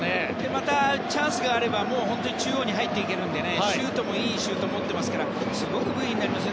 またチャンスがあれば中央に入っていけるのでいいシュートも持っていますからすごく武器になりますよ。